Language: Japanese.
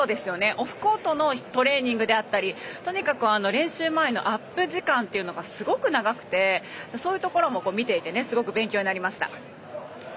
オフコートのトレーニングだったりとにかく練習前のアップ時間がすごく長くてそういうところも見ていてすごく勉強になりました。